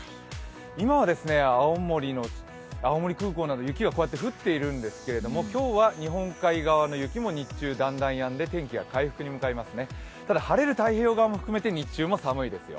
今は青森空港など雪が降っているんですが今日は日本海側の雪もだんだんやんで天気は回復に向かいますね。